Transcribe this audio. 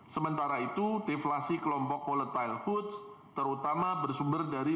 sementara itu deflasi kelompok volatile foods terutama bersumber dari